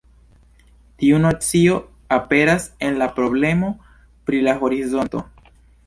Tiu nocio aperas en la problemo pri la horizonto.